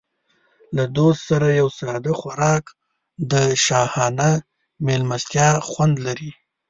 له دوست سره یو ساده خوراک د شاهانه مېلمستیا خوند لري.